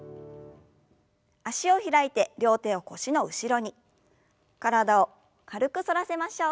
脚を開いて両手を腰の後ろに体を軽く反らせましょう。